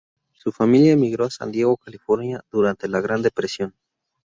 Su familia emigró a San Diego, California durante la Gran depresión.